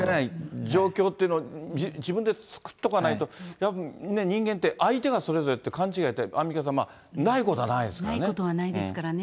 状況というのを自分で作っとかないと、人間って相手がそれぞれって勘違い、アンミカさん、ないことはないですからね。